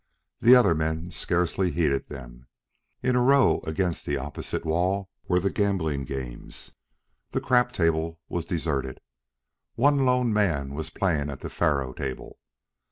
The other men scarcely heeded them. In a row, against the opposite wall, were the gambling games. The crap table was deserted. One lone man was playing at the faro table.